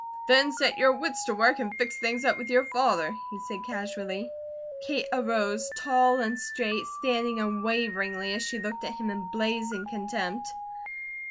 "Then set your wits to work and fix things up with your father," he said casually. Kate arose tall and straight, standing unwaveringly as she looked at him in blazing contempt.